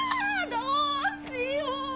どうしよう！